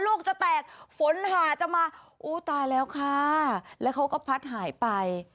ลูกจะแตกฝนหาจะมาอู้ตายแล้วค่ะแล้วเขาก็พัดหายไป